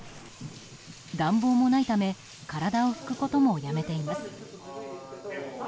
暖房もないため体を拭くこともやめています。